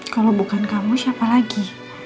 kalau bukan kamu siapa lagi